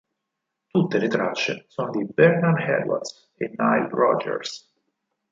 Tutte le tracce sono di Bernard Edwards e Nile Rodgers.